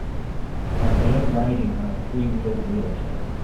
A man riding on a threewheeled wheelchair.